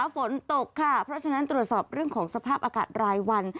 ฝนตกค่ะเพราะฉะนั้นตรวจสอบเรื่องของสภาพอากาศรายวัน